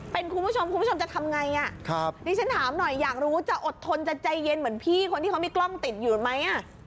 เป็นคุณผู้ชมคุณผู้ชมจะทำไงดิฉันถามหน่อยอยากรู้จะอดทนจะใจเย็นเหมือนพี่คนที่เขามีกล้องติดอยู่ไหม